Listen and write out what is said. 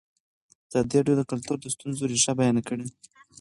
ازادي راډیو د کلتور د ستونزو رېښه بیان کړې.